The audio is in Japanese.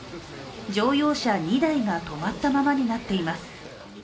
乗用車２台が止まったままになっています。